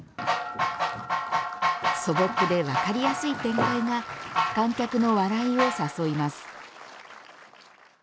素朴で分かりやすい展開が観客の笑いを誘います。